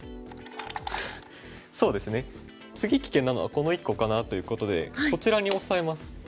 そうですね次危険なのはこの１個かなということでこちらにオサえます。